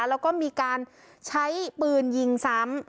แล้วก็มีการใช้ปืนยิงซ้ำ